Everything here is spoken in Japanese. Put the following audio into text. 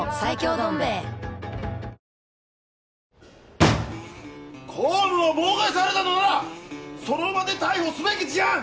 どん兵衛公務を妨害されたのならその場で逮捕すべき事案！